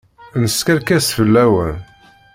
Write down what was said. Neskerkes fell-awen.